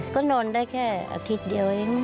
ก็นอนได้แค่อาทิตย์เดียวเอง